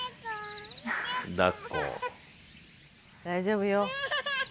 大丈夫よ。